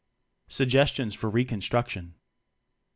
Suggestions for Reconstruction.